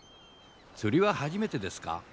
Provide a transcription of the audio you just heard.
釣りは初めてですか？